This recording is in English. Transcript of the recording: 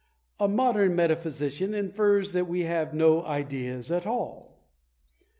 A modern metaphysician infers that we have no ideas at all!